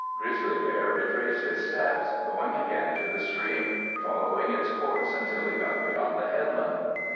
Grizzly Bear retraced his steps, going again to the stream, following its course until he got beyond the headland.